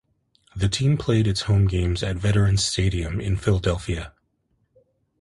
The team played its home games at Veterans Stadium in Philadelphia.